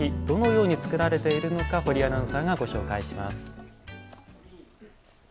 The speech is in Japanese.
どのように作られているのか堀井アナウンサーがご紹介します。